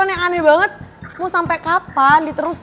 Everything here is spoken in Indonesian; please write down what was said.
ungansen siap subir guys